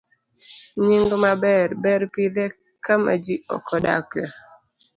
B. Nying maber. Ber pidhe kama ji ok odakie